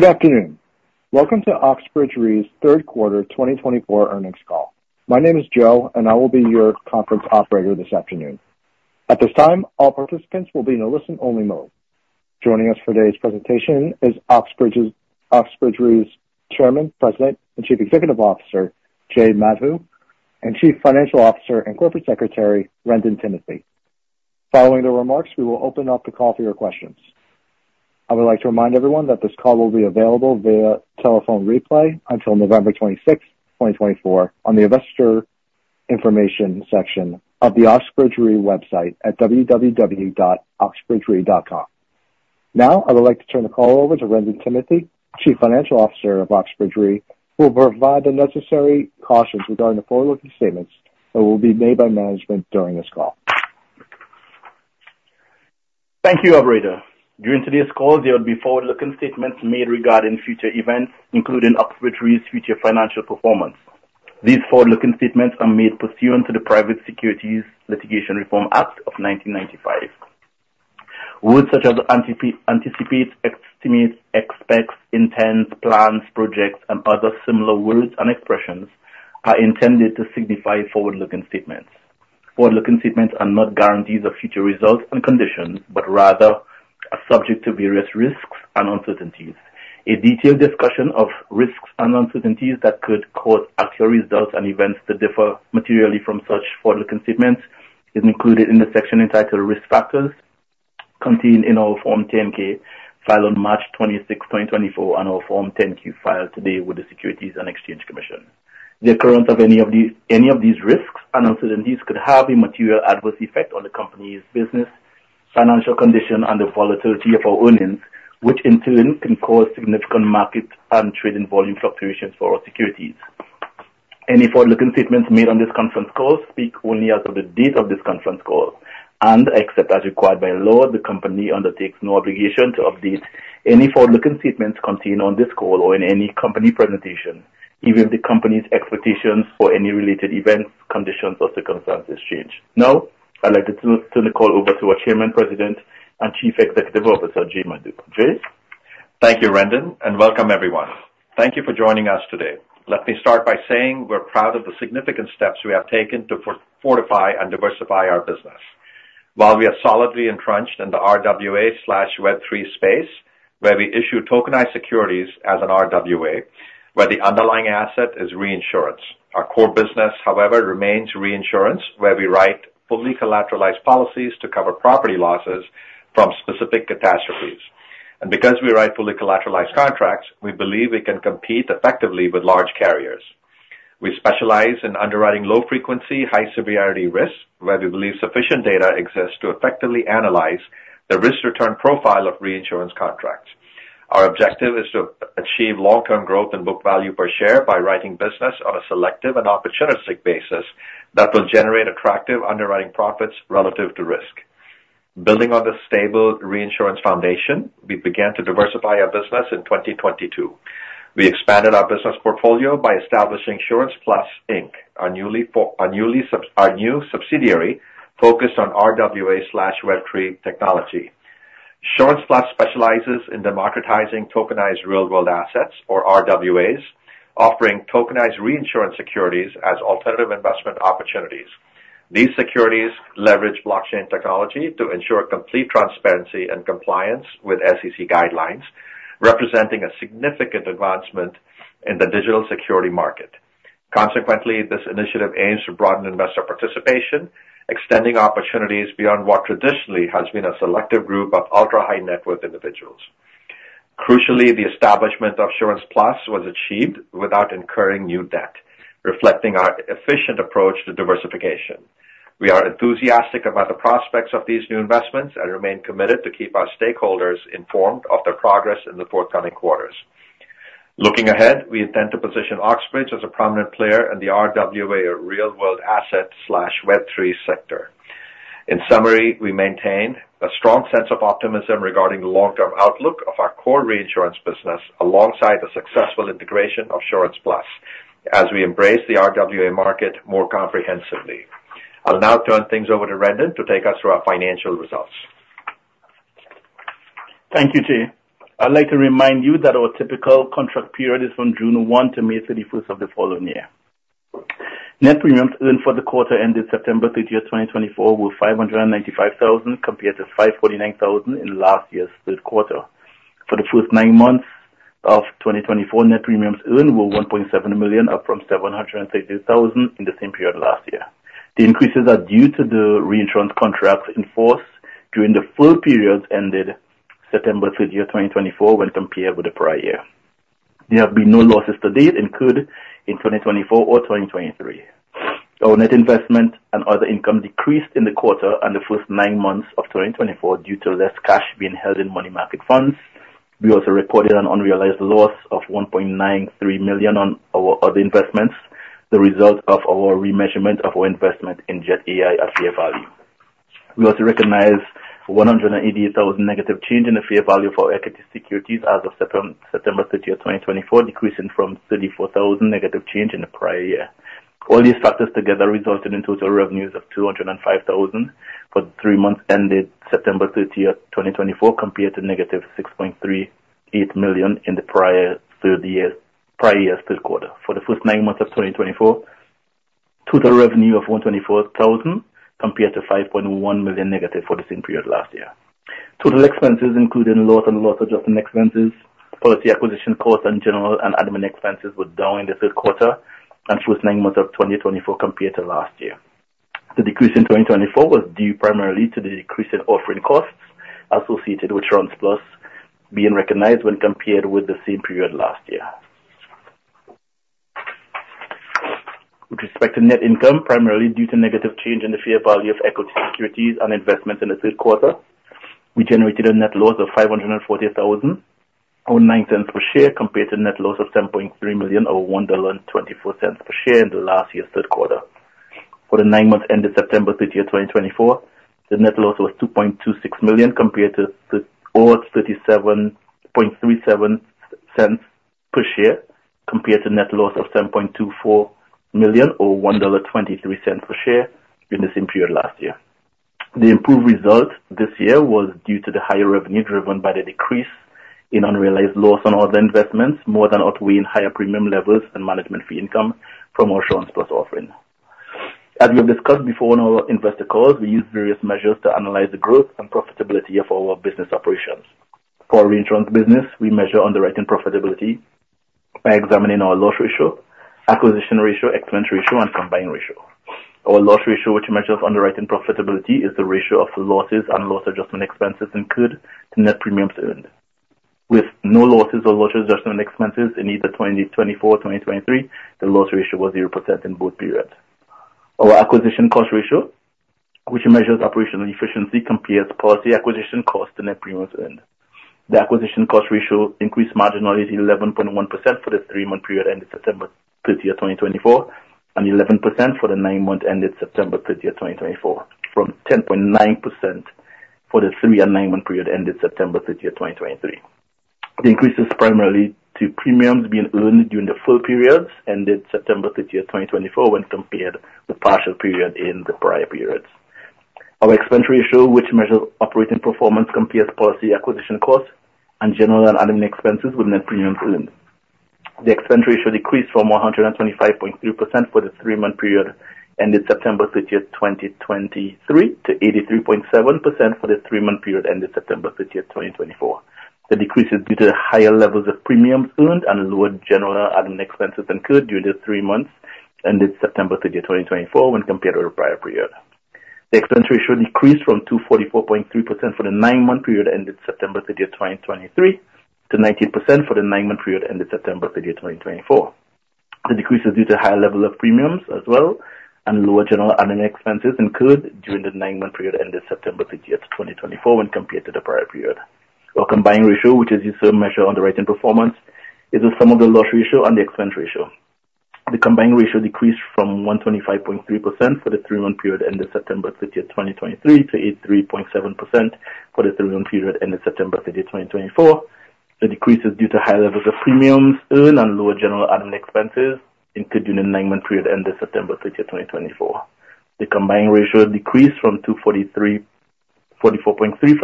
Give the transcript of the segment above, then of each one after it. Good afternoon. Welcome to Oxbridge Re's third quarter 2024 earnings call. My name is Joe, and I will be your conference operator this afternoon. At this time, all participants will be in a listen-only mode. Joining us for today's presentation is Oxbridge Re's Chairman, President, and Chief Executive Officer Jay Madhu, and Chief Financial Officer and Corporate Secretary Wrendon Timothy. Following the remarks, we will open up the call for your questions. I would like to remind everyone that this call will be available via telephone replay until November 26, 2024, on the investor information section of the Oxbridge Re website at www.oxbridgere.com. Now, I would like to turn the call over to Wrendon Timothy, Chief Financial Officer of Oxbridge Re, who will provide the necessary cautions regarding the forward-looking statements that will be made by management during this call. Thank you, Operator. During today's call, there will be forward-looking statements made regarding future events, including Oxbridge Re's future financial performance. These forward-looking statements are made pursuant to the Private Securities Litigation Reform Act of 1995. Words such as anticipate, estimate, expect, intend, plan, project, and other similar words and expressions are intended to signify forward-looking statements. Forward-looking statements are not guarantees of future results and conditions, but rather are subject to various risks and uncertainties. A detailed discussion of risks and uncertainties that could cause actual results and events that differ materially from such forward-looking statements is included in the section entitled Risk Factors, contained in our Form 10-K filed on March 26, 2024, and our Form 10-Q filed today with the Securities and Exchange Commission. The occurrence of any of these risks and uncertainties could have a material adverse effect on the company's business, financial condition, and the volatility of our earnings, which in turn can cause significant market and trading volume fluctuations for our securities. Any forward-looking statements made on this conference call speak only as of the date of this conference call and, except as required by law, the company undertakes no obligation to update any forward-looking statements contained on this call or in any company presentation, even if the company's expectations for any related events, conditions, or circumstances change. Now, I'd like to turn the call over to our Chairman, President, and Chief Executive Officer, Jay Madhu. Jay? Thank you, Wrendon, and welcome, everyone. Thank you for joining us today. Let me start by saying we're proud of the significant steps we have taken to fortify and diversify our business. While we are solidly entrenched in the RWA/Web3 space, where we issue tokenized securities as an RWA, where the underlying asset is reinsurance, our core business, however, remains reinsurance, where we write fully collateralized policies to cover property losses from specific catastrophes, and because we write fully collateralized contracts, we believe we can compete effectively with large carriers. We specialize in underwriting low-frequency, high-severity risks, where we believe sufficient data exists to effectively analyze the risk-return profile of reinsurance contracts. Our objective is to achieve long-term growth and book value per share by writing business on a selective and opportunistic basis that will generate attractive underwriting profits relative to risk. Building on this stable reinsurance foundation, we began to diversify our business in 2022. We expanded our business portfolio by establishing SurancePlus Inc, our new subsidiary focused on RWA/Web3 technology. SurancePlus specializes in democratizing tokenized real-world assets, or RWAs, offering tokenized reinsurance securities as alternative investment opportunities. These securities leverage blockchain technology to ensure complete transparency and compliance with SEC guidelines, representing a significant advancement in the digital security market. Consequently, this initiative aims to broaden investor participation, extending opportunities beyond what traditionally has been a selective group of ultra-high-net-worth individuals. Crucially, the establishment of SurancePlus was achieved without incurring new debt, reflecting our efficient approach to diversification. We are enthusiastic about the prospects of these new investments and remain committed to keep our stakeholders informed of the progress in the forthcoming quarters. Looking ahead, we intend to position Oxbridge as a prominent player in the RWA or real-world asset/Web3 sector. In summary, we maintain a strong sense of optimism regarding the long-term outlook of our core reinsurance business alongside the successful integration of SurancePlus as we embrace the RWA market more comprehensively. I'll now turn things over to Wrendon to take us through our financial results. Thank you, Jay. I'd like to remind you that our typical contract period is from June 1 to May 31 of the following year. Net premium earned for the quarter ended September 30th 2024, were $595,000, compared to $549,000 in last year's third quarter. For the first nine months of 2024, net premiums earned were $1.7 million, up from $732,000 in the same period last year. The increases are due to the reinsurance contracts in force during the full period ended September 30th 2024, when compared with the prior year. There have been no losses to date incurred in 2024 or 2023. Our net investment and other income decreased in the quarter and the first nine months of 2024 due to less cash being held in money market funds. We also reported an unrealized loss of $1.93 million on our other investments, the result of our remeasurement of our investment in Jet.AI at fair value. We also recognize a $188,000 negative change in the fair value for equity securities as of September 30th 2024, decreasing from $34,000 negative change in the prior year. All these factors together resulted in total revenues of $205,000 for the three months ended September 30th 2024, compared to -$6.38 million in the prior year's third quarter. For the first nine months of 2024, total revenue of $124,000 compared to $5.1 million negative for the same period last year. Total expenses, including loss and loss-adjusted expenses, policy acquisition costs, and general and admin expenses, were down in the third quarter and first nine months of 2024 compared to last year. The decrease in 2024 was due primarily to the decrease in offering costs associated with SurancePlus being recognized when compared with the same period last year. With respect to net income, primarily due to negative change in the fair value of equity securities and investments in the third quarter, we generated a net loss of $540,000 or $0.09 per share compared to net loss of $7.3 million or $1.24 per share in the last year's third quarter. For the nine months ended September 30th 2024, the net loss was $2.26 million or $0.37 per share compared to net loss of $7.24 million or $1.23 per share in the same period last year. The improved result this year was due to the higher revenue driven by the decrease in unrealized loss on other investments more than outweighing higher premium levels and management fee income from our SurancePlus offering. As we have discussed before on our investor calls, we use various measures to analyze the growth and profitability of our business operations. For our reinsurance business, we measure underwriting profitability by examining our loss ratio, acquisition ratio, expense ratio, and combined ratio. Our loss ratio, which measures underwriting profitability, is the ratio of losses and loss-adjustment expenses incurred to net premiums earned. With no losses or loss-adjustment expenses in either 2024 or 2023, the loss ratio was 0% in both periods. Our acquisition cost ratio, which measures operational efficiency, compares policy acquisition costs to net premiums earned. The acquisition cost ratio increased marginally to 11.1% for the three-month period ended September 30th 2024, and 11% for the nine-month ended September 30th 2024, from 10.9% for the three- and nine-month period ended September 30th 2023. The increase is primarily due to premiums being earned during the full periods ended September 30th 2024, when compared with partial periods in the prior periods. Our expense ratio, which measures operating performance compared to policy acquisition costs and general and admin expenses with net premiums earned. The expense ratio decreased from 125.3% for the three-month period ended September 30th 2023, to 83.7% for the three-month period ended September 30th 2024. The decrease is due to higher levels of premiums earned and lower general and admin expenses incurred during the three months ended September 30th 2024, when compared with the prior period. The expense ratio decreased from 244.3% for the nine-month period ended September 30th 2023, to 19% for the nine-month period ended September 30th 2024. The decrease is due to higher levels of premiums as well and lower general and admin expenses incurred during the nine-month period ended September 30th 2024, when compared to the prior period. Our combined ratio, which is used to measure underwriting performance, is the sum of the loss ratio and the expense ratio. The combined ratio decreased from 125.3% for the three-month period ended September 30th 2023, to 83.7% for the three-month period ended September 30th 2024. The decrease is due to high levels of premiums earned and lower general and admin expenses incurred during the nine-month period ended September 30th 2024. The combined ratio decreased from 244.3% for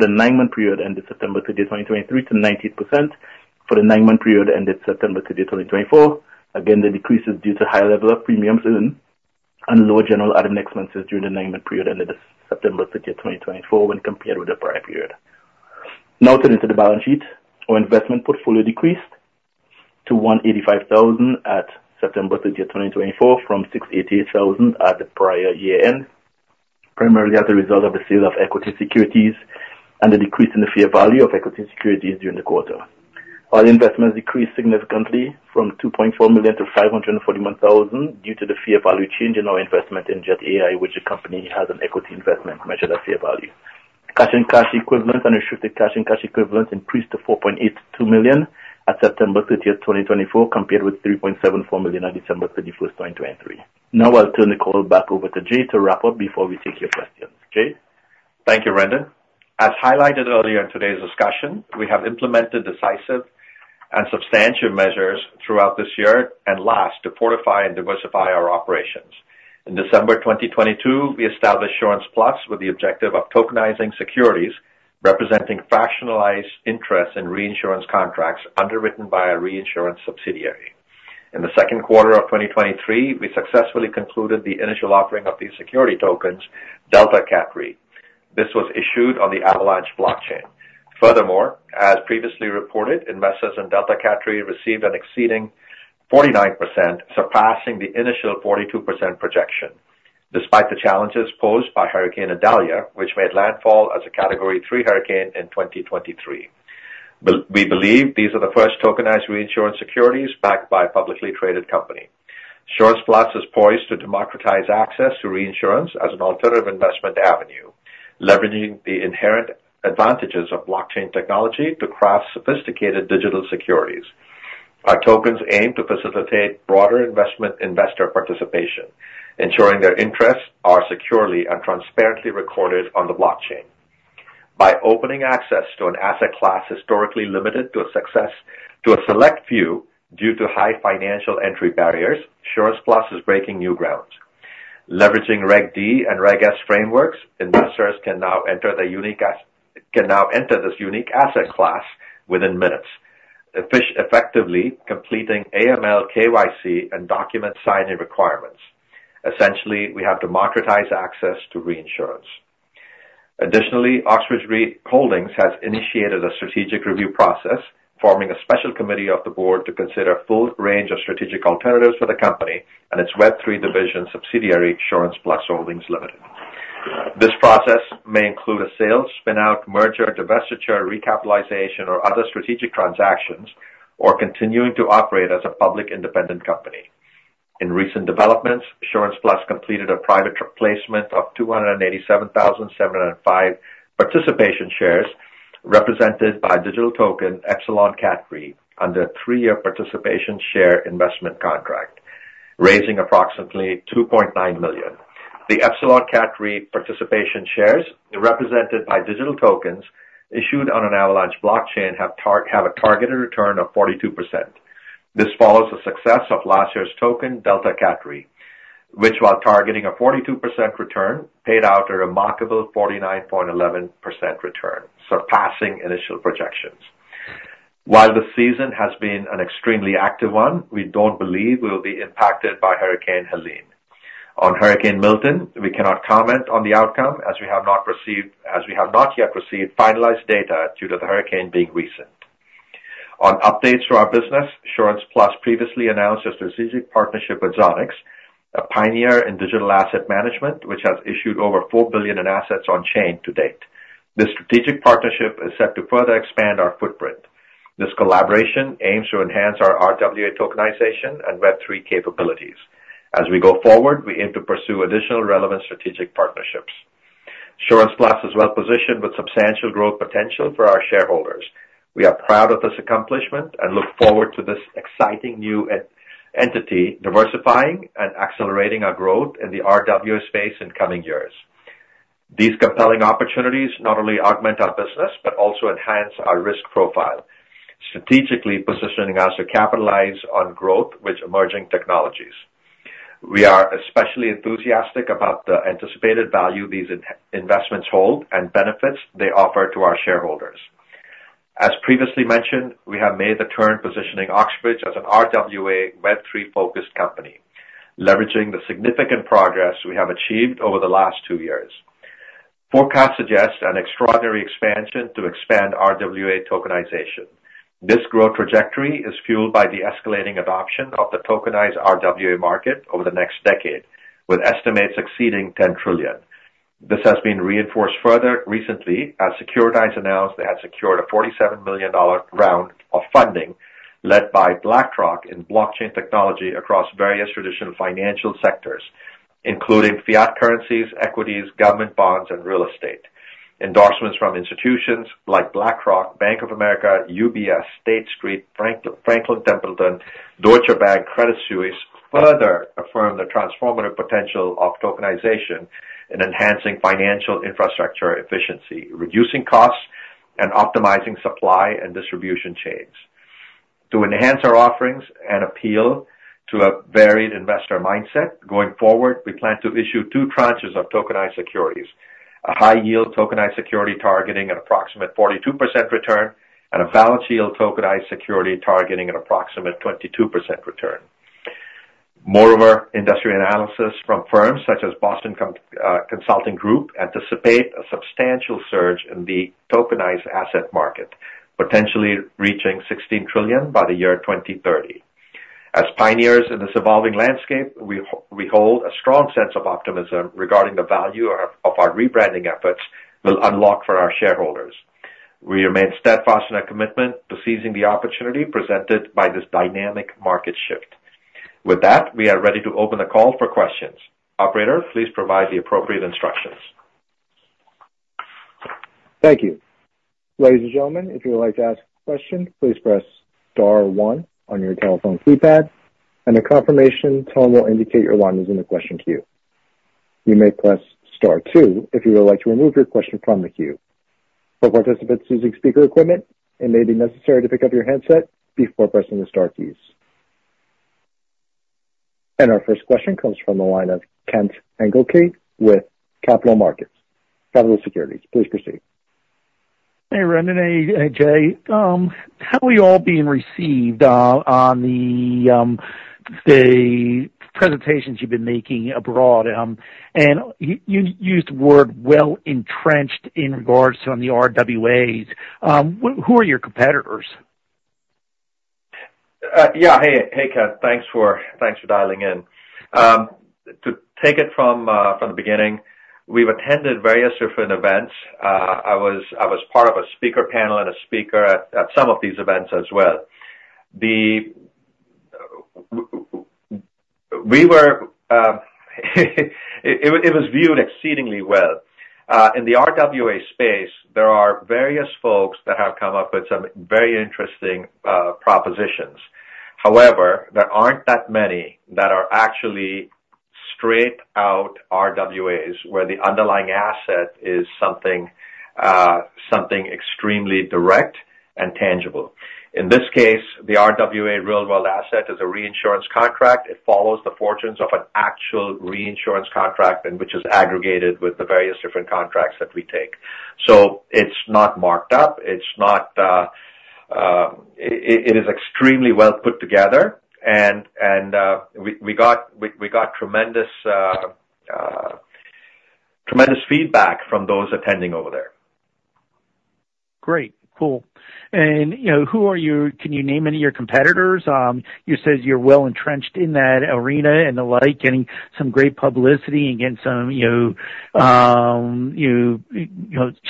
the nine-month period ended September 30th 2023, to 19% for the nine-month period ended September 30th 2024. Again, the decrease is due to high levels of premiums earned and lower general and admin expenses during the nine-month period ended September 30th 2024, when compared with the prior period. Noted into the balance sheet, our investment portfolio decreased to $185,000 at September 30th 2024, from $688,000 at the prior year-end, primarily as a result of the sale of equity securities and the decrease in the fair value of equity securities during the quarter. Our investments decreased significantly from $2.4 million to $541,000 due to the fair value change in our investment in JetAI, which the company has an equity investment measured at fair value. Cash and cash equivalents and restricted cash and cash equivalents increased to $4.82 million at September 30th 2024, compared with $3.74 million at December 31st 2023. Now, I'll turn the call back over to Jay to wrap up before we take your questions. Jay? Thank you, Wrendon. As highlighted earlier in today's discussion, we have implemented decisive and substantial measures throughout this year and last to fortify and diversify our operations. In December 2022, we established SurancePlus with the objective of tokenizing securities representing fractionalized interest in reinsurance contracts underwritten by a reinsurance subsidiary. In the second quarter of 2023, we successfully concluded the initial offering of these security tokens, DeltaCat Re. This was issued on the Avalanche blockchain. Furthermore, as previously reported, investors in DeltaCat Re received an exceeding 49%, surpassing the initial 42% projection, despite the challenges posed by Hurricane Idalia, which made landfall as a Category 3 hurricane in 2023. We believe these are the first tokenized reinsurance securities backed by a publicly traded company. SurancePlus is poised to democratize access to reinsurance as an alternative investment avenue, leveraging the inherent advantages of blockchain technology to craft sophisticated digital securities. Our tokens aim to facilitate broader investor participation, ensuring their interests are securely and transparently recorded on the blockchain. By opening access to an asset class historically limited to a select few due to high financial entry barriers, SurancePlus is breaking new ground. Leveraging Reg D and Reg S frameworks, investors can now enter this unique asset class within minutes, effectively completing AML/KYC and document signing requirements. Essentially, we have democratized access to reinsurance. Additionally, Oxbridge Re Holdings has initiated a strategic review process, forming a special committee of the board to consider a full range of strategic alternatives for the company and its Web3 division subsidiary, SurancePlus Holdings Limited. This process may include a sale, spin-out, merger, divestiture, recapitalization, or other strategic transactions, or continuing to operate as a public independent company. In recent developments, SurancePlus completed a private placement of 287,705 participation shares represented by digital token EpsilonCat Re under a three-year participation share investment contract, raising approximately $2.9 million. The EpsilonCat Re participation shares represented by digital tokens issued on an Avalanche blockchain have a targeted return of 42%. This follows the success of last year's token, DeltaCat Re, which, while targeting a 42% return, paid out a remarkable 49.11% return, surpassing initial projections. While the season has been an extremely active one, we don't believe we will be impacted by Hurricane Helene. On Hurricane Milton, we cannot comment on the outcome as we have not yet received finalized data due to the hurricane being recent. On updates to our business, SurancePlus previously announced a strategic partnership with Zoniqx, a pioneer in digital asset management, which has issued over $4 billion in assets on-chain to date. This strategic partnership is set to further expand our footprint. This collaboration aims to enhance our RWA tokenization and Web3 capabilities. As we go forward, we aim to pursue additional relevant strategic partnerships. SurancePlus is well-positioned with substantial growth potential for our shareholders. We are proud of this accomplishment and look forward to this exciting new entity diversifying and accelerating our growth in the RWA space in coming years. These compelling opportunities not only augment our business but also enhance our risk profile, strategically positioning us to capitalize on growth with emerging technologies. We are especially enthusiastic about the anticipated value these investments hold and benefits they offer to our shareholders. As previously mentioned, we have made the turn positioning Oxbridge as an RWA Web3-focused company, leveraging the significant progress we have achieved over the last two years. Forecasts suggest an extraordinary expansion to expand RWA tokenization. This growth trajectory is fueled by the escalating adoption of the tokenized RWA market over the next decade, with estimates exceeding $10 trillion. This has been reinforced further recently as Securitize announced they had secured a $47 million round of funding led by BlackRock in blockchain technology across various traditional financial sectors, including fiat currencies, equities, government bonds, and real estate. Endorsements from institutions like BlackRock, Bank of America, UBS, State Street, Franklin Templeton, Deutsche Bank, and Credit Suisse further affirm the transformative potential of tokenization in enhancing financial infrastructure efficiency, reducing costs, and optimizing supply and distribution chains. To enhance our offerings and appeal to a varied investor mindset, going forward, we plan to issue two tranches of tokenized securities: a high-yield tokenized security targeting an approximate 42% return and a balance yield tokenized security targeting an approximate 22% return. Moreover, industry analysis from firms such as Boston Consulting Group anticipates a substantial surge in the tokenized asset market, potentially reaching $16 trillion by the year 2030. As pioneers in this evolving landscape, we hold a strong sense of optimism regarding the value of our rebranding efforts we'll unlock for our shareholders. We remain steadfast in our commitment to seizing the opportunity presented by this dynamic market shift. With that, we are ready to open the call for questions. Operator, please provide the appropriate instructions. Thank you. Ladies and gentlemen, if you would like to ask a question, please press star one on your telephone keypad, and a confirmation tone will indicate you're logged into the question queue. You may press star two if you would like to remove your question from the queue. For participants using speaker equipment, it may be necessary to pick up your handset before pressing the star keys, and our first question comes from the line of Kent Engelke with Capitol Securities. Please proceed. Hey, Wrendon and Jay. How are we all being received on the presentations you've been making abroad? You used the word "well-entrenched" in regards to the RWAs. Who are your competitors? Yeah. Hey, Kent. Thanks for dialing in. To take it from the beginning, we've attended various different events. I was part of a speaker panel and a speaker at some of these events as well. It was viewed exceedingly well. In the RWA space, there are various folks that have come up with some very interesting propositions. However, there aren't that many that are actually straight-out RWAs where the underlying asset is something extremely direct and tangible. In this case, the RWA real-world asset is a reinsurance contract. It follows the fortunes of an actual reinsurance contract, which is aggregated with the various different contracts that we take. So it's not marked up. It is extremely well put together, and we got tremendous feedback from those attending over there. Great. Cool. And can you name any of your competitors? You said you're well-entrenched in that arena and the like, getting some great publicity and getting some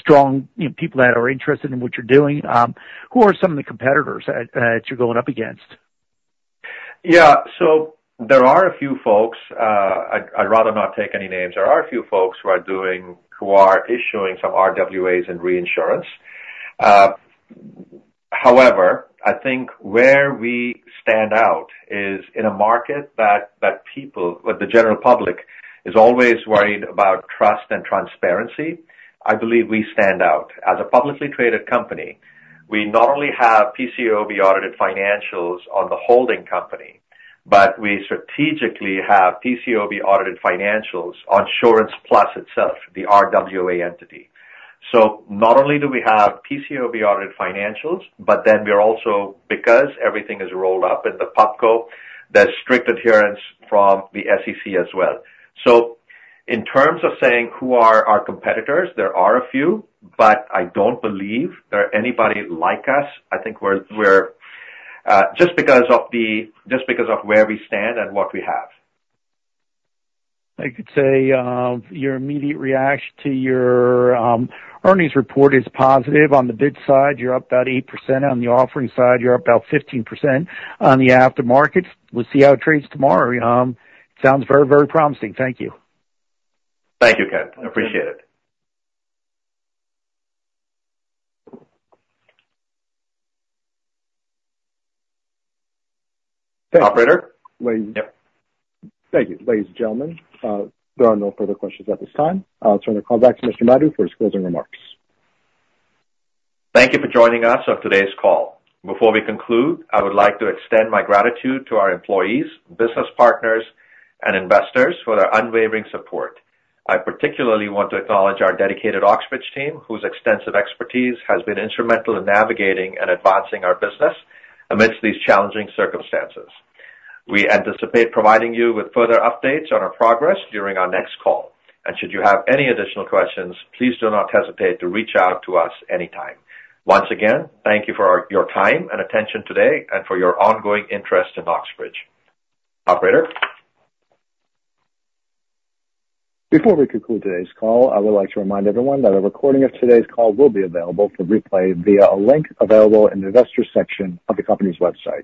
strong people that are interested in what you're doing. Who are some of the competitors that you're going up against? Yeah. So there are a few folks. I'd rather not take any names. There are a few folks who are issuing some RWAs in reinsurance. However, I think where we stand out is in a market that the general public is always worried about trust and transparency. I believe we stand out. As a publicly traded company, we not only have PCAOB-audited financials on the holding company, but we strategically have PCAOB-audited financials on SurancePlus itself, the RWA entity. So not only do we have PCAOB-audited financials, but then we're also, because everything is rolled up in the PubCo, there's strict adherence from the SEC as well. So in terms of saying who are our competitors, there are a few, but I don't believe there is anybody like us. I think we're just because of where we stand and what we have. I could say your immediate reaction to your earnings report is positive. On the bid side, you're up about 8%. On the offering side, you're up about 15%. On the aftermarket, we'll see how it trades tomorrow. Sounds very, very promising. Thank you. Thank you, Kent. Appreciate it. Thank you. Operator? Thank you. Ladies and gentlemen, there are no further questions at this time. I'll turn the call back to Mr. Madhu for his closing remarks. Thank you for joining us on today's call. Before we conclude, I would like to extend my gratitude to our employees, business partners, and investors for their unwavering support. I particularly want to acknowledge our dedicated Oxbridge team, whose extensive expertise has been instrumental in navigating and advancing our business amidst these challenging circumstances. We anticipate providing you with further updates on our progress during our next call. And should you have any additional questions, please do not hesitate to reach out to us anytime. Once again, thank you for your time and attention today and for your ongoing interest in Oxbridge. Operator? Before we conclude today's call, I would like to remind everyone that a recording of today's call will be available for replay via a link available in the investors' section of the company's website.